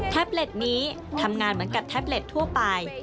เล็ตนี้ทำงานเหมือนกับแท็บเล็ตทั่วไป